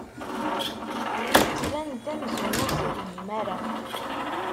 Tettban-d amzun ur tewhim ara.